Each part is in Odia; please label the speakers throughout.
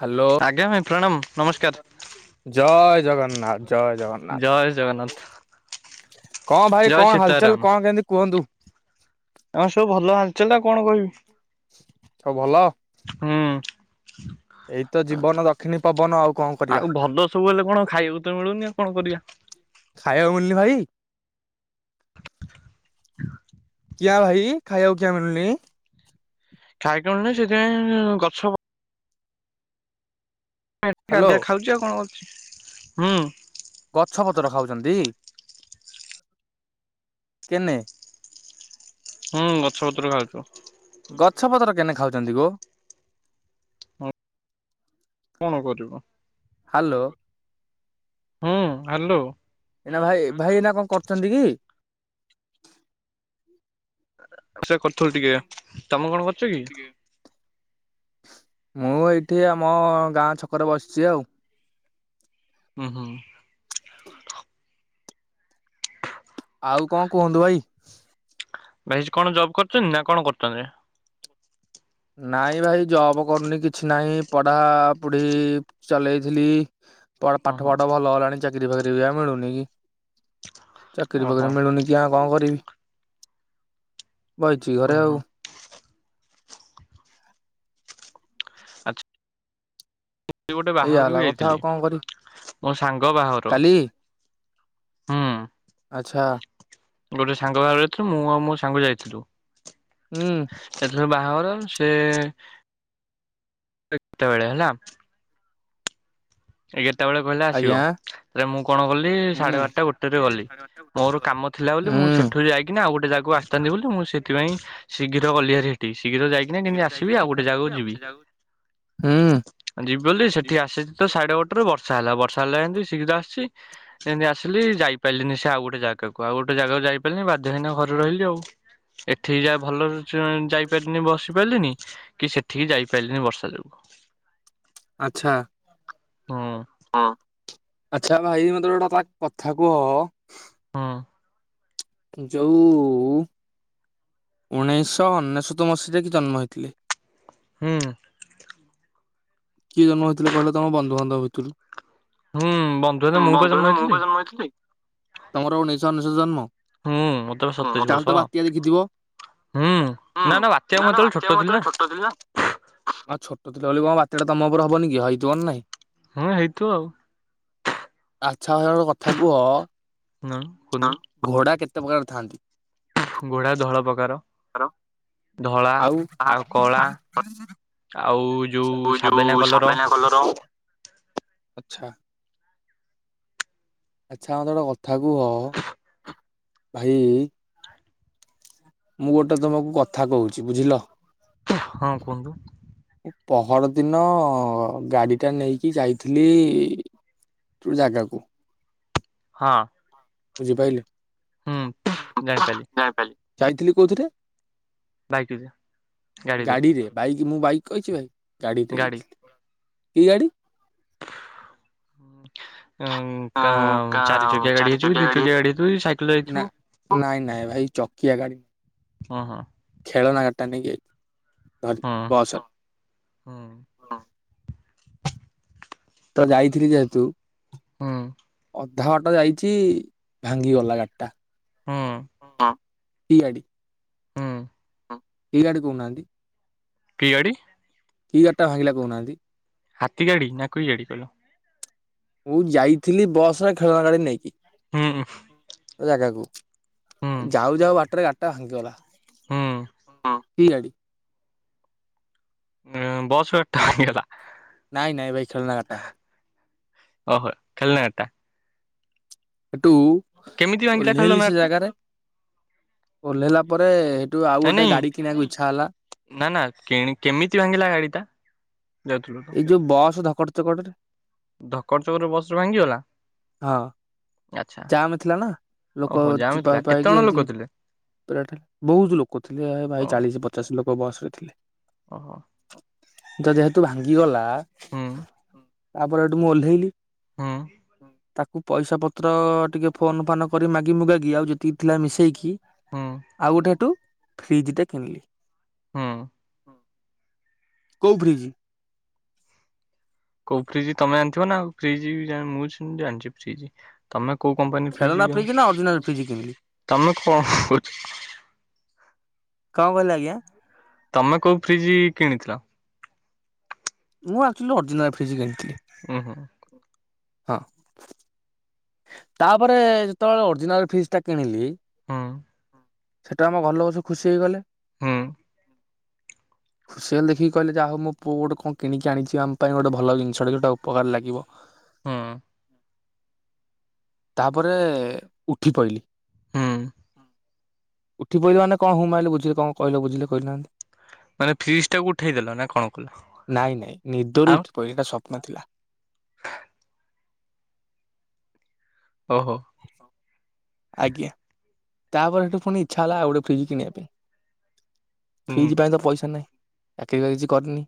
Speaker 1: ହ୍ୟାଲୋ
Speaker 2: ଆଜ୍ଞା ଭାଇ ପ୍ରଣାମ ନମସ୍କାର
Speaker 1: ଜୟ ଜଗନ୍ନାଥ। ଜୟ ଜଗନ୍ନାଥ କଣ ଭାଇ
Speaker 2: ଜୟ
Speaker 1: କଣ
Speaker 2: ସୀତାରାମ।
Speaker 1: ହାଲଚାଲ କଣ କେମିତି କୁହନ୍ତୁ।
Speaker 2: ଆମେ ସବୁ ଭଲ ହାଲ୍ ଚାଲ୍ ଆଉ କଣ କହିବି।
Speaker 1: ସ ଭଲ
Speaker 2: ହୁଁ।
Speaker 1: ଏଇତ ଜୀବନ ଦକ୍ଷିଣୀ ପବନ ଆଉ କଣ କରିବା
Speaker 2: ଆଉ ଭଲ ସବୁ ହେଲେ କଣ ଖାଇବାକୁ ତ ମିଳୁନି ଆଉ କଣ କରିବା।
Speaker 1: ଖାଇବାକୁ ମିଳିନି ଭାଇ
Speaker 2: [inaudible]
Speaker 1: କିଆଁ ଭାଇ ଖାଇବାକୁ କିଆ ମିଳୁନି।
Speaker 2: ଖାଇକେ ମିଳୁନି ସେଥିପାଇଁ ଗଛ ହଁ ଏଠି
Speaker 1: ହ୍ୟାଲୋ
Speaker 2: କାଦିଆ ଖାଉଛି ଆଉ କଣ ଅଛି ହୁଁ।
Speaker 1: ଗଛପତ୍ର ଖାଉଛନ୍ତି, କେନେ
Speaker 2: ହୁଁ ଗଛପତ୍ର ଖାଉଛୁ।
Speaker 1: ଗଛ ପତ୍ର କେନେ ଖାଉଛନ୍ତି ଗୋ
Speaker 2: କଣ କରିବୁ ଆଉ।
Speaker 1: ହ୍ୟାଲୋ।
Speaker 2: ହୁଁ ଆଲୋ।
Speaker 1: ଏଇନା ଭାଇ ଭାଇ ଏନା କଣ କରଛନ୍ତି କି।
Speaker 2: ସେ କରୁଥିଲୁ ଟିକେ ତମେ କଣ କରୁଛ କି?
Speaker 1: ମୁଁ ଏଇଠି ଆମ ଗାଁ ଛକରେ ବସିଛି ଆଉ
Speaker 2: ହୁଁ ହୁଁ।
Speaker 1: ଆଉ କଣ କୁହନ୍ତୁ ଭାଇ।
Speaker 2: ଭାଇ କଣ ଜବ୍ କରୁଛନ୍ତି ନା କଣ କରୁଛନ୍ତି।
Speaker 1: ନାଇଁ ଭାଇ ଜବ୍ କରୁନି କିଛି ନାହିଁ ପଢ଼ାପୁଢ଼ି ଚଲେଇଥିଲି। ପଢ଼
Speaker 2: ହଁ
Speaker 1: ପାଠ
Speaker 2: ହଁ
Speaker 1: ଫାଠ ଭଲ ହେଲାଣି ଚାକିରି ଫାକିରି ବି ଆଉ ମିଳୁନି କି ଚାକିରି
Speaker 2: ଓହୋ
Speaker 1: ଫକିରି ମିଳୁନି କି ଜି ଆଁ କଣ କରିବି ବହିଛି
Speaker 2: ହୁଁ
Speaker 1: ଘରେ
Speaker 2: ହୁଁ
Speaker 1: ଆଉ।
Speaker 2: ସେ ଗୋଟେ
Speaker 1: ଏଇଆ
Speaker 2: ବାହାଘର କୁ
Speaker 1: ହେଲା କଥା
Speaker 2: ଯାଇଥିଲି
Speaker 1: ଆଉ କଣ କରିବି।
Speaker 2: ମୋ ସାଙ୍ଗ ବାହାଘର
Speaker 1: କାଲି
Speaker 2: ହୁଁ।
Speaker 1: ଆଚ୍ଛା।
Speaker 2: ଗୋଟେ ସାଙ୍ଗ ବାହାଘରେଥିଲୁ, ମୁଁ ଆଉ ମୋ ସାଙ୍ଗ ଯାଇଥିଲୁ।
Speaker 1: ହୁଁ।
Speaker 2: ସେତରୁ ବାହାଘର ସେ କେତେବେଳେ ହେଲା। ଏଗାରଟା ବେଳେ କହିଲା
Speaker 1: ଆଜ୍ଞା
Speaker 2: ଆସିବ ତାଲେ ମୁଁ କଣ କଲି
Speaker 1: ହୁଁ।
Speaker 2: ସାଢେ
Speaker 1: ହୁଁ।
Speaker 2: ବାରଟା ଗୋଟେରେ ଗଲି। ମୋର କାମ ଥିଲା ବୋଲି ମୁଁ
Speaker 1: ହୁଁ।
Speaker 2: ସେଠୁ ଯାଇ କିନା ଆଉ ଗୋଟେ ଯାଗାକୁ ଆସିଥାନ୍ତି ବୋଲି ମୁଁ ସେଥିପାଇଁ ଶୀଘ୍ର ଗଲିହାରି ହେଠିକି ଶୀଘ୍ର ଯାଇ କିନା କେମତି ଆସିବି ଆଉ ଗୋଟେ ଜାଗାକୁ ଯିବି। ଆ ଯିବ ବୋଲି ସେଠି ଆସିଛି ତ ସାଢେ ଗୋଟେରୁ ବର୍ଷା ହେଲା ବର୍ଷା ହେଲା ଯେମିତି ଶୀଘ୍ର ଆସୁଛି। ଏମିତି ଆସିଲି ଯାଇପାରିଲିନି ସେ ଆଉ ଗୋଟେ ଜାଗାକୁ ଆଉ ଗୋଟେ ଜାଗକୁ ଯାଇ ପାରିଲିନି ବାଧ୍ୟ ହେଇନା ଘରେ ରହିଲି ଆଉ ଏଠିକି ଯା ଭଲ ଯାଇପାରିନି ବସ ପାରିଲିନି କି ସେଠିକି ଯାଇ ପାରିଲିନି ବର୍ଷା ଯୋଗୁଁ।
Speaker 1: ଆଛା।
Speaker 2: ହଁ।
Speaker 1: ହଁ ଆଚ୍ଛା ଭାଇ ମତେ ଗୋଟେ ତା କଥା କୁହ?
Speaker 2: ହଁ।
Speaker 1: ଯୋଉ ଉଣେଇଶହ ଅନେଶତ ମସିହାରେ କି ଜନ୍ମ ହେଇଥିଲେ।
Speaker 2: ହୁଁ।
Speaker 1: କିଏ ଜନ୍ମ ହୋଇଥିଲେ କହିଲ ତମ ବନ୍ଧୁବାନ୍ଧବ ଭିତରୁ?
Speaker 2: ହୁଁ ବନ୍ଧୁ ହେଲେ ମୁଁ ପା
Speaker 1: ବନ୍ଧୁ
Speaker 2: ଜନ୍ମ
Speaker 1: ଏବେ ମୁଁ
Speaker 2: ହେଇଥିଲି
Speaker 1: ବା ଜନ୍ମ ହେଇଥିଲି। ତମର ଉଣେଇଶ ଅନେଶତ ଜନ୍ମ?
Speaker 2: ହୁଁ ମତେ ପା ସତେଇଶି ବର୍ଷ
Speaker 1: ତାହେଲେ ତ ବାତ୍ୟା ଦେଖିଥିବ?
Speaker 2: ହୁଁ।
Speaker 1: ହଁ
Speaker 2: ନା ବାତ୍ୟା ମୁଁ
Speaker 1: ନା ନା
Speaker 2: ହେତେବେଳେ ଛୋଟ
Speaker 1: ବାତ୍ୟା ମୁଁ ବା
Speaker 2: ଥିଲି ନା
Speaker 1: ସେତେଳେ ଛୋଟ ଥିଲି ବା। ଆଉ ଛୋଟ ଥିଲ ବୋଲି କଣ ବାତ୍ୟା ଟା ତମ ଉପରେ ହବନି କି ହେଇଥିବନି ନାଇଁ।
Speaker 2: ହଁ ହେଇଥିବ ଆଉ।
Speaker 1: ଆଛା ମତେ ଗୋଟେ କଥା କୁହ?
Speaker 2: ନା କୁହନ୍ତୁ
Speaker 1: ଘୋଡା କେତେ ପ୍ରକାର ଥାଆନ୍ତି?
Speaker 2: ଘୋଡା ଧଳ ପ୍ରକାର। ଧଳା
Speaker 1: ଆଉ
Speaker 2: ଆଉ କଳା ଆଉ ଯୋଉ ସାବେନା କଲର।
Speaker 1: କଲର ଆଛା। ଆଛା ମତେ ଗୋଟେ କଥା କୁହ ଭାଇ ମୁଁ ଗୋଟେ ତମକୁ କଥା କହୁଛି ବୁଝିଲ?
Speaker 2: ହଁ କୁହନ୍ତୁ।
Speaker 1: ପହର ଦିନ ଗାଡି ଟା ନେଇକି ଯାଇଥିଲି ଗୋଟେ ଜାଗାକୁ,
Speaker 2: ହଁ।
Speaker 1: ବୁଝିପାଇଲେ,
Speaker 2: ହୁଁ ଜାଣିପାରିଲି
Speaker 1: ଯାଇଥିଲି କୋଉଥିରେ?
Speaker 2: ବାଇକ୍ ଦେ ଗାଡି ଦେ
Speaker 1: ଗାଡିରେ ବାଇକ୍ ମୁଁ ବାଇକ୍ କହିଛି ଭାଇ ଗାଡିରେ
Speaker 2: ଗାଡି।
Speaker 1: ଯାଇଥିଲି। କି ଗାଡ଼ି?
Speaker 2: ଉଁ କା ଚାରି ଚକିଆ ଗାଡି ହେଇଥିବ ଦି ଚକିଆ ଗାଡି ହେଇଥିବ କି ସାଇକେଲ
Speaker 1: ନା
Speaker 2: ଯାଇଥିବୁ?
Speaker 1: ନାଇଁ ନାଇଁ ଭାଇ ଚକିଆ ଗାଡି
Speaker 2: ଓ ହଁ।
Speaker 1: ଖେଳନା ଗାଡ଼ିଟା ନେଇକି ଯାଇ ଧରି ବସ।
Speaker 2: ହଁ।
Speaker 1: ତ ଯାଇଥିଲି ଯେହେତୁ
Speaker 2: ହଁ।
Speaker 1: ଅଧା ବାଟ ଯାଇଛି ଭାଙ୍ଗି ଗଲା ଗାଡିଟା,
Speaker 2: ହୁଁ
Speaker 1: କି ଗାଡି?
Speaker 2: ହୁଁ।
Speaker 1: ଇରାଡ଼େ କହୁନାଆନ୍ତି।
Speaker 2: କି ଗାଡ଼ି?
Speaker 1: ଏଇ ଗାଡ଼ି ଟା ଭାଙ୍ଗିଲା କହୁନାହନ୍ତି।
Speaker 2: ହାତୀ ଗାଡି଼ ନା କି ଗାଡି଼ କଇଲ?
Speaker 1: ମୁଁ ଯାଇଥିଲି ବସ୍ ଖେଳନା ଗାଡି଼ ନେଇକି।
Speaker 2: ହୁଁ ହୁଁ।
Speaker 1: ଜାଗାକୁ ଯାଉ ଯାଉ ବାଟରେ ଗାଡ଼ଟା ଭାଙ୍ଗିଗଲା
Speaker 2: ହୁଁ।
Speaker 1: ହଁ। କି ଗାଡ଼ି?
Speaker 2: ହୁଁ ବସ୍ ଟାଇମ୍ ହୋଇଗଲା।
Speaker 1: ନାଇଁ ନାଇଁ ଭାଇ ଖେଳନା ଗାଡିଟା
Speaker 2: ଓହୋ ଖେଳନା ଗାଡ଼ିଟା।
Speaker 1: ଟୁ
Speaker 2: କେମିତି ଭାଙ୍ଗିଲା ଖେଳନା
Speaker 1: ଓଲ୍ହେଇଲି
Speaker 2: ଗାଡି
Speaker 1: ସେ
Speaker 2: ଟା?
Speaker 1: ଜାଗାରେ। ଓଲ୍ହେଇଲା ପରେ ଏଠୁ ଆଉ
Speaker 2: ନାଇଁ
Speaker 1: ଗୋଟେ
Speaker 2: ନାଇଁ
Speaker 1: ଗାଡ଼ି କିଣିଆକୁ ଇଚ୍ଛା ହେଲା।
Speaker 2: ନା ନା କିଣି କେମିତି ଭାଙ୍ଗିଲା ଗାଡ଼ିଟା? ଯାଉଥିଲୁ। ତ?
Speaker 1: ଯୁ ବସ୍ ଧପଡ଼ ଚପଡ଼।
Speaker 2: ଧକଡ଼ ଚକର୍ ରେ ବସରେ ଭାଙ୍ଗିଗଲା।
Speaker 1: ହଁ।
Speaker 2: ଆଚ୍ଛା
Speaker 1: ଜାମ୍ ଥିଲା ନା ଲୋକ
Speaker 2: ଓହୋ ଜାମ୍
Speaker 1: ଚିପା
Speaker 2: ଥିଲା
Speaker 1: ଫିପା
Speaker 2: କେତେ ଜଣ
Speaker 1: ହେଇକି
Speaker 2: ଲୋକ
Speaker 1: ଏମିତ୍।
Speaker 2: ଥିଲେ?
Speaker 1: [unintelligible] ବହୁତ୍ ଲୋକ ଥିଲେ ଭାଇ ଚାଳିଶ୍ ପଚାଶ୍ ଲୋକ ବସ୍ ରେ ଥିଲେ।
Speaker 2: ଅହ।
Speaker 1: ତ ଯେହେତୁ ଭାଙ୍ଗିଗଲା
Speaker 2: ହୁଁ
Speaker 1: ତାପରେ ହେଠୁ ମୁଁ ଓହ୍ଲେଇଲି।
Speaker 2: ହୁଁ
Speaker 1: ତାକୁ ପଇସା ପ ତ୍ର ଟିକେ ଫୋନ୍ ଫାନ କରି ମାଗି ମୁଗାଗି ଆଉ ଯେତିକି ଥିଲା ମିଶେଇକି
Speaker 2: ହୁଁ
Speaker 1: ଆଉ ଗୁଟାଠୁ ଫ୍ରିଜ୍ ଟେ କିଣିଲି।
Speaker 2: ହୁଁ।
Speaker 1: କୋଉ ଫ୍ରୀଜ୍?
Speaker 2: କୋଉ ଫ୍ରିଜି ତମେ ଜାଣିଥିବ ନାଉ। ଫ୍ରିଜି ଜାଣି ମୁଁ ଜାଣିଛି ଫ୍ରିଜି। ତମେ କୋଉ କମ୍ପାନୀ
Speaker 1: ଖେଳନା
Speaker 2: ଫ୍ରିଜି
Speaker 1: ଫ୍ରିଜ ନା ଅରିଜିନାଲ ଫ୍ରିଜ କିଣିଲି
Speaker 2: [unintelligible] ତମେ କଣ କଉ
Speaker 1: କଁ କହିଲେ ଆଜ୍ଞା?
Speaker 2: ତମେ କୋଉ ଫ୍ରିଜି କିଣିଥିଲ?
Speaker 1: ମୁଁ ଆର୍ଚୋଲି ଅର୍ଜିନାଲ ଫ୍ରିଜ୍ କିଣିଥିଲି।
Speaker 2: ହୁଁ ହୁଁ।
Speaker 1: ହଁ। ତାପରେ ଯେତେବେଳେ ଅର୍ଜିନାଲ୍ ଫ୍ରିଜ୍ ଟା କିଣିଲି।
Speaker 2: ହୁଁ
Speaker 1: ସେଠୁ ଆମ ଘର ଲୋକ ସବୁ ଖୁସି ହେଇଗଲେ।
Speaker 2: ହୁଁ।
Speaker 1: ଖୁସିହେଲେ ଦେଖିକି କଇଲେ ଯା ହଉ ମୋ ପୁଅ ଗୋଟେ କଁ କିଣିକି ଆଣିଛି ଆମ୍ ପାଇଁ ଗୋଡ଼େ ଭଲ ଜିନିଷଟେ ଟା ଉପକାରେ ଲାଗିବ।
Speaker 2: ହୁଁ
Speaker 1: ତାପରେ ଉଠି ପଇଲି।
Speaker 2: ହୁଁ।
Speaker 1: ଉଠି ପଇଲି ମାନେ କଁ ହୁଁ ମାଇଲେ ବୁଝିଲେ କଁ କଇଲ ବୁଝିଲେ କଇଲ?
Speaker 2: ମାନେ ଫ୍ରିଜ୍ ଟାକୁ ଉଠେଇଦେଲ ନା କଣ କଲ?
Speaker 1: ନାଇ ନାଇ ନିଦରୁ
Speaker 2: ଆଉ
Speaker 1: ଉଠି ପିଇଲି ଏଟା ସପ୍ନ ଥିଲା।
Speaker 2: ଓହୋ।
Speaker 1: ଆଜ୍ଞା! ତାପରେ ହେଠୁ ପୁଣି ଇଚ୍ଛା ହେଲା ଆଉ ଗୋଟେ ଫ୍ରିଜ୍ କିଣିବା ପାଇଁ
Speaker 2: ହୁଁ
Speaker 1: ଫ୍ରିଜ୍ ପାଇଁ ତ ପଇସା ନାଇଁ। [unintelligible] କିଛି କରିନି।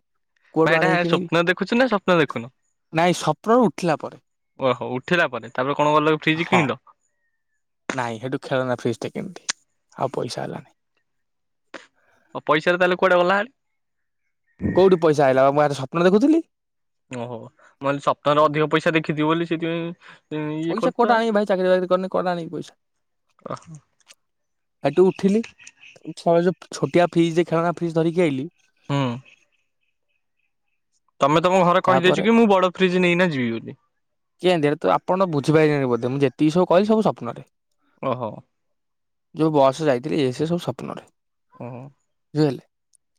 Speaker 2: ଭାଇ
Speaker 1: କୋଉଟୁ
Speaker 2: ଏଇଟା
Speaker 1: ଆଣିକି କିଣିବି
Speaker 2: ସ୍ୱପ୍ନ ଦେଖୁଛ ନା ସ୍ୱପ୍ନ ଦେଖୁନ?
Speaker 1: [inaudible] ନାଇଁ ସପ୍ନରୁ ଉଠିଲା ପରେ।
Speaker 2: ୱହ ଉଠିଲା ପରେ ତାପରେ କଣ ଗଲ କି ଫ୍ରିଜ୍
Speaker 1: ହଁ
Speaker 2: କିଣିଲ।
Speaker 1: ନାଇଁ ହେଠୁ ଖେଳନା ଫ୍ରିଜ୍ ଟେ କିଣ୍ତି ଆଉ ପଇସା ହେଲାନି।
Speaker 2: ଓ ପଇସା ତ ତାଏଲେ କୁଆଡ଼େ ଗଲା
Speaker 1: କୋଉଡ଼ୁ ପଇସା ଆଇଲା ଆ ମୁଁ ଆଜି ସପ୍ନ ଦେଖୁିତିଲି।
Speaker 2: ଓହୋ ମୁଁ ଆଲି ସପ୍ନର ଅଧିକ ପଇସା ଦେଖିତିଅ ବଲି ସେଥିପାଇଁ ତେଁ ଇଏ କର୍ତ
Speaker 1: ଚାକରୀ ବାକରି କରିନି କୁଆଡୁ ଆଣିବି ପଇସା।
Speaker 2: ଆଉ
Speaker 1: ସେଠୁ ଉଠିଲି ଉଠିଲା ବେଳେ ଯୋଉ ଛୋଟିଆ ଫ୍ରିଜ ଖେଳନା ଫ୍ରିଜ ଧରିକି ଆଇିଲି।
Speaker 2: ହୁଁ। ତମେ ତମ ଘରେ
Speaker 1: ତାପରେ
Speaker 2: କହିଦେଇଛୁ କି ମୁଁ ବଡ ଫ୍ରିଜ୍ ନେଇନା ଯିବି ବୋଲି।
Speaker 1: କେତି ତ ଆପଣ ବୁଝିପାରିବେ ବୋଧ ମୁଁ ଯେତିକି ସବୁ କହିଲି ସବୁ ସପ୍ନରେ।
Speaker 2: ଓହୋ
Speaker 1: ଯୋଉ ବସରେ ଯାଇଥିଲେ ଏ ସେ ସବୁ ସ୍ୱପ୍ନରେ।
Speaker 2: ଓହ
Speaker 1: ବୁଝି ପାଇଲେ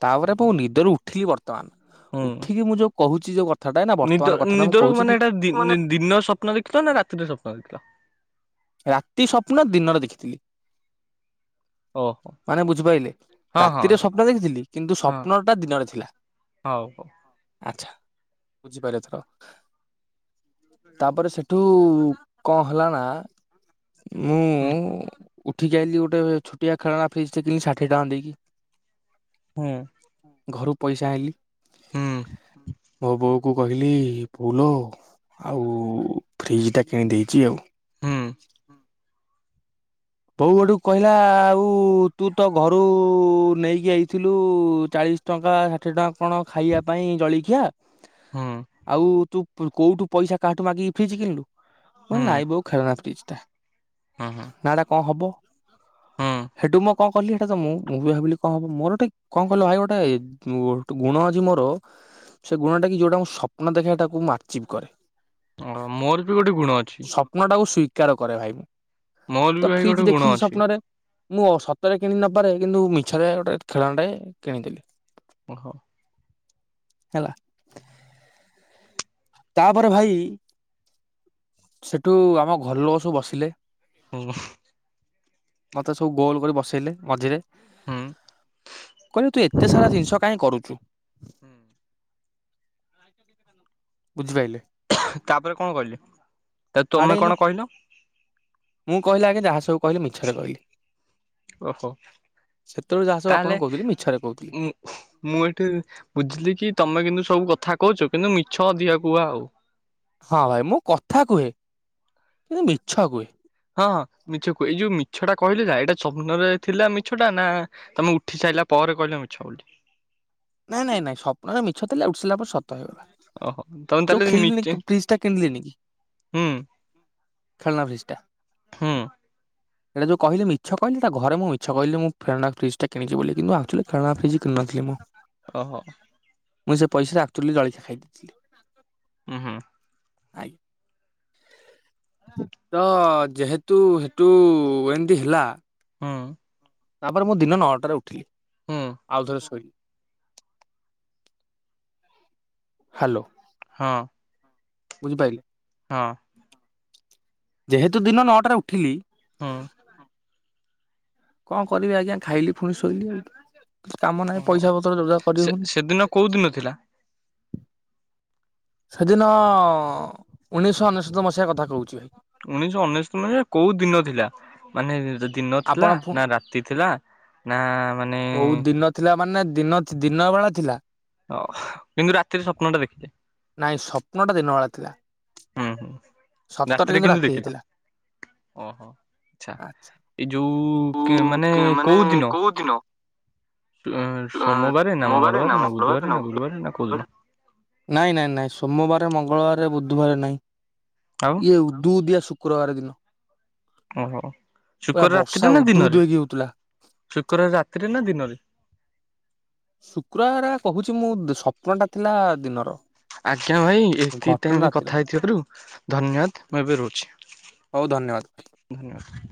Speaker 1: ତାପରେ ମୁ ନିଦରୁ ଉଠିଲି ବର୍ତ୍ତମାନ
Speaker 2: ହୁଁ
Speaker 1: ଉଠିକି ମୁଁ ଯୋଉ କହୁଛି ଯୋଉ କ
Speaker 2: ନିଦ ନିଦରୁ ମାନେ ଏଇଟା ଦି
Speaker 1: ମାନେ
Speaker 2: ଦିନର ସ୍ୱପ୍ନ ଦେଖିଲ ନା ରାତିରେ ସ୍ୱପ୍ନ ଦେଖିଲ।
Speaker 1: ରାତି ସ୍ୱପ୍ନ ଦିନରେ ଦେଖିଥିଲି।
Speaker 2: ଓହୋ
Speaker 1: ମାନେ ବୁଝିପାରିଲେ
Speaker 2: ହଁ ହଁ
Speaker 1: ରାତିରେ ସ୍ୱପ୍ନ ଦେଖିଥିଲି କିନ୍ତୁ
Speaker 2: ହଁ
Speaker 1: ସ୍ୱପ୍ନ ଟା ଦିନରେ ଥିଲା।
Speaker 2: ହଉ ହଉ
Speaker 1: ଆଛା ବୁଝିପାରିଲେ ଏଥର। ତାପରେ ସେଠୁ କଣ ହେଲା ନା ମୁଁ।
Speaker 2: ହୁଁ
Speaker 1: ଉଠିକି ଆଇଲି ଗୋଟେ ଛୋଟିଆ ଖେଳନା ଫ୍ରିଜଟେ କିିଣି ଷାଠିଏ ଟଙ୍କା ଦେଇକି।
Speaker 2: ହୁଁ
Speaker 1: ଘରୁ ପଇସା ଆଇଁଲି
Speaker 2: ହୁଁ।
Speaker 1: ଭୋ ବଉ କୁ କହିଲି ବୋଉଲୋ ଆଉ ଫ୍ରିଜ ଟା କିଣି ଦେଇେଇଛି ଆଉ।
Speaker 2: ହୁଁ
Speaker 1: ବୋଉ ଗଟୁକୁ କହିଲା ଆଉ ତୁ ତ ଘରୁ ନେଇକି ଯଇଥିଲୁ ଚାଳିଶ ଟଙ୍କା ଷାଠିଏ ଟଙ୍କା କଣ ଖାଇବା ପାଇଁ ଜଳଖିଆ।
Speaker 2: ହୁଁ
Speaker 1: ଆଉ ତୁ କୋଉଠୁ ପଇସା କାହାଠୁ ମାଗିକି ଫ୍ରିଜ କିଣିଲୁ। ମୁ କହିଲି ନାଇ ବୋଉ ଖେଳନା ପ୍ରିଜ ଟା।
Speaker 2: ହଁ ହଁ
Speaker 1: କଁ ହବ ସେଠୁ ମୁଁ କଣ କଲି ସେଇଟା ତ ମୁଁ ବି ଭାବିଲି କଣ ହବ ମୋର ଗୋ କଣ କିଲ ଭାଇ ଗୋଟେ। ମୁଁ ଗୁଣ ଆଜି ମୋର ସେ ଗୁଣଟା କି ଯେଉଁଟା ମୁଁ ସ୍ୱପ୍ନ ଦେଖେ ମୁ ସେଠାକୁ ଆଚିଭ୍ କରେ।
Speaker 2: ଓ ମୋର ବି ଗୋଟେ ଗୁଣ ଅଛି।
Speaker 1: ସ୍ୱପ୍ନ ଟାକୁ ସିକାର କରେ ଭାଇ ମୁଁ
Speaker 2: ମୋର ବି
Speaker 1: ତ
Speaker 2: ଭାଇ ଗୋଟେ
Speaker 1: ଫ୍ରିଜ
Speaker 2: ଗୁଣ
Speaker 1: ଦେଖିଲି
Speaker 2: ଅଛି
Speaker 1: ସ୍ୱପ୍ନରେ। ମୁଁ ସତରେ କିଣି ନପାରେ କିନ୍ତୁ ମିଛରେ ଗୋଟେ ଖେଳନାଟେ କିଣିଦେଲି।
Speaker 2: ଓହୋ
Speaker 1: ହେଲା ତାପରେ ଭାଇ ସେଠୁ ଆମ ଘରଲୋକ ସବୁ ବସିଲେ।
Speaker 2: ହୁଁ
Speaker 1: ମତେ ସବୁ ଗୋଲ କରି ବସେଇଲେ ମଝିରେ।
Speaker 2: ହୁଁ।
Speaker 1: କହିଲେ ତୁ ଏତେ ସାରା ଜିନିଷ କାହିଁ କରୁଚୁ। ବୁଝିପାରିଲେ।
Speaker 2: ତାପରେ କଣ କହିଲେ? ତ ତମେ
Speaker 1: ପାଡେଇଲେ
Speaker 2: କଣ କହିଲ
Speaker 1: ମୁଁ କହିଲି ଆଗେ ଯାହା ସବୁ କହିଲି ମିଛରେ କହିଲି।
Speaker 2: ଓହୋ
Speaker 1: ସେତେବେଳୁ ଯାହା ସବୁ
Speaker 2: ତାହେଲେ
Speaker 1: ଆପଣଙ୍କୁ କହୁଥିଲି ମିଛରେ କହୁଥିଲି।
Speaker 2: ମୁଁ ଏଠି ବୁଝିଲି କି ତମେ କିନ୍ତୁ ସବୁ କଥା କହୁଛ କିନ୍ତୁ ମିଛ ଅଧିକ କୁହ ଆଉ।
Speaker 1: ହଁ ଭାଇ ମୁଁ କଥା କୁହେ କିନ୍ତୁ ମିଛ କୁହେ।
Speaker 2: ଏଇ ଯୋଉ ମିଛ ଟା କହିଲେ ଯା ଏଇଟା ସ୍ୱପନରେ ଥିଲା ମିଛଟା ନା ତମେ ଉଠି ସାରିଲା ପରେ କହିଲ ମିଛ ବୋଲି।
Speaker 1: ନାଇଁ ନାଇଁ ନାଇଁ ସପନରେ ମିଛ ଥିଲା ଉଠିସାରିଲା ପରେ ସତ ହେଇଗଲା।
Speaker 2: ଓହୋ ତମେ
Speaker 1: ଯୋଉ
Speaker 2: ତାହେଲେ ମିଛ
Speaker 1: ଖେଳିନିଲି ଫ୍ରିଜ୍ ଟା କିଣିଲି ନି
Speaker 2: ହୁଁ
Speaker 1: ଖେଳନା ଫ୍ରିଜ୍ ଟା।
Speaker 2: ହୁଁ
Speaker 1: ହେଡା ଯୋଉ କହିଲି ମିଛ କହିଲି। ଘରେ ମୁଁ ମିଛ କହିଲିନି କି ଖେଳନା ଫ୍ରିଜ୍ ଟା କିଣିଚି ବୋଲି କିନ୍ତୁ ଅକ୍ଚୁଆଲି ଖେଳନା ଫ୍ରଜ୍ ନ ଥିଲି।
Speaker 2: ଅ ହୋ।
Speaker 1: ମୁଁ ସେ ପଇସା ଆକ୍ଚୁଲି ଜଳଖିଆ ଖାଇ ଦେଇଥିଲି।
Speaker 2: ହୁଁ ହୁଁ
Speaker 1: ଆଇ ତ ଯେହେତୁ ହେଠୁ ଏମିତି ହେଲା
Speaker 2: ହଁ
Speaker 1: ତାପରେ ମୁଁ ଦିନ ନଅଟାରେ ଉଠିଲି।
Speaker 2: ହୁଁ
Speaker 1: ଆଉଥରେ ଶୋଇଲି। ହାଲୋ।
Speaker 2: ହଁ।
Speaker 1: ବୁଝିପାଇଲି
Speaker 2: ହଁ।
Speaker 1: ଯେହେତୁ ଦିନ ନଅଟାରେ ଉଠିଲି
Speaker 2: ହଁ।
Speaker 1: କଁ କରିବି ଆଜ୍ଞା ଖାଇଲି ଫୁଣି ଶୋଇଲି ଆଉ। କାମ ନାହିଁ ପଇସା ପତ୍ର ଯୋଜନା କରି ହୋଉନି।
Speaker 2: କୋଉଦିନ ଥିଲା?
Speaker 1: ସେଦିନ ଉଣେଇଶହ ଅନେଶତ ମସିହା କଥା କହୁଛି।
Speaker 2: ଉଣେଇଶହ ଅନେଶତ ମାନେ କୋଉ ଦିନ ଥିଲା? ମାନେ ଦିନ ଥିଲା
Speaker 1: ଆପଣ ଫୁ
Speaker 2: ନା ରାତି ଥିଲା ନା ମାନେ
Speaker 1: କୋଉ ଦିନ ଥିଲା ମାନେ ଦିନ ଦିନ ବେଳା ଥିଲା।
Speaker 2: ଅ କିନ୍ତୁ ରାତିରେ ସ୍ୱପ୍ନ ଟା ଦେଖିଛି
Speaker 1: ନାଇଁ ସ୍ୱପ୍ନ ଟା ଦିନ ବେଳା ଥିଲା
Speaker 2: ହୁଁ।
Speaker 1: ସତରେ
Speaker 2: ରାତିରେ କିନ୍ତୁ
Speaker 1: ରାତି
Speaker 2: ଦେଖିନ?
Speaker 1: ହେଇଥିଲା।
Speaker 2: ଓହୋଃ ଆଚ୍ଛା।
Speaker 1: ଆଚ୍ଛା।
Speaker 2: ଏଇ ଯୋଉ କେଁ ମାନେ କୋଉ ଦିନ?
Speaker 1: କୋଉ ଦିନ?
Speaker 2: ଉଁ
Speaker 1: ଅ,
Speaker 2: ସୋମବାରେ ନା ମଙ୍ଗଳବାରେ ନା ବୁଧବାରେ ନା ଗୁରୁବାରେ ନା କୋଉ ଦିନ?
Speaker 1: ନାଇଁ ନାଇଁ ନାଇଁ ସୋମବାର, ମଙ୍ଗଳବାରେ, ବୁଧବାରେ ନାଇଁ।
Speaker 2: ଆଉ
Speaker 1: ଇଏ ଉଦୁ ଉଦିଆ ଶୁକ୍ରବାର ଦିନ।
Speaker 2: ଓହୋ। ଶୁକ୍ର
Speaker 1: ପୁରା ବର୍ଷା ଉଦୁ ଉଦୁ ହେଇକି ହୋଉଥିଲା।
Speaker 2: ଶୁକ୍ରବାରେ ରାତିରେ ନା ଦିନରେ?
Speaker 1: ଶୁକ୍ରବାରେ କହୁଛି ମୁଁ ସ୍ୱପ୍ନ ଟା ଥିଲା ଦିନର।
Speaker 2: ଆଜ୍ଞା ଭାଇ ଏତିକି
Speaker 1: ଘଟଣା
Speaker 2: ଟାଇମ୍
Speaker 1: ରାତିର
Speaker 2: କଥା ହେଇଥିବାରୁ ଧନ୍ୟବାଦ୍ ମୁଁ ଏବେ ରୋଉଛି।
Speaker 1: ହୋଉ ଧନ୍ୟବାଦ୍।
Speaker 2: ଧନ୍ୟବାଦ୍।